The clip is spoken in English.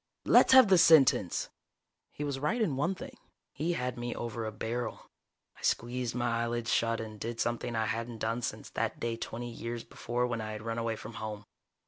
"Let's have the sentence!" He was right in one thing. He had me over a barrel. I squeezed my eyelids shut and did something I hadn't done since that day twenty years before when I had run away from home.